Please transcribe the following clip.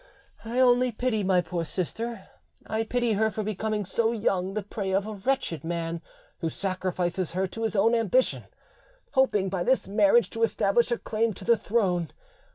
I only pity my poor sister; I pity her for becoming so young the prey of a wretched man who sacrifices her to his own ambition, hoping by this marriage to establish a claim to the throne.